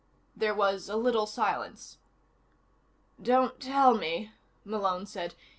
There was a little silence. "Don't tell me," Malone said.